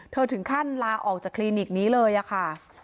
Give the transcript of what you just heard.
ถึงขั้นลาออกจากคลินิกนี้เลยค่ะ